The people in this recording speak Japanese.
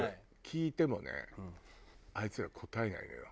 聞いてもねあいつら答えないのよ。